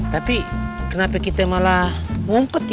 tapi kenapa kita malah ngompet ya